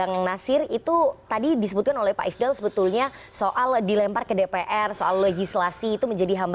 bang nasir itu tadi disebutkan oleh pak ifdal sebetulnya soal dilempar ke dpr soal legislasi itu menjadi hambatan